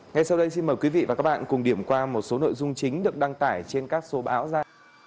ngay sau đây xin mời quý vị và các bạn cùng điểm qua một số nội dung chính được đăng tải trên các số báo ra